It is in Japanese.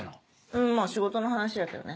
うんまぁ仕事の話だけどね。